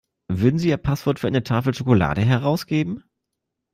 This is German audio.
Würden Sie Ihr Passwort für eine Tafel Schokolade herausgeben?